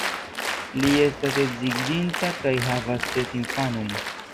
Li estas edziĝinta kaj havas ses infanojn.